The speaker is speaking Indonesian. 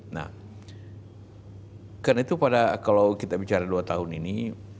nah karena itu pada kalau kita bicara dua tahun ini